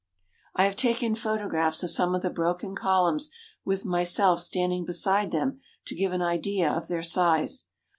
I have taken photographs of some of the broken col umns with myself standing beside them to give an idea of their size.